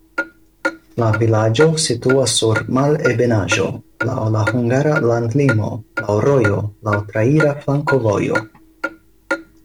La vilaĝo situas sur malebenaĵo, laŭ la hungara landlimo, laŭ rojo, laŭ traira flankovojo.